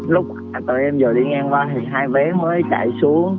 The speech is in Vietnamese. lúc tụi em giờ đi ngang qua thì hai bé mới chạy xuống